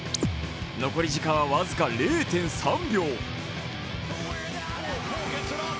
残り時間は僅か０．３秒。